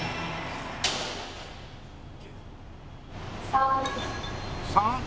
３。